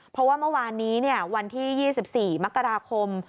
เพราะว่าเมื่อวานนี้วันที่๒๔มกราคม